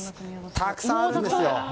たくさんあるんですが。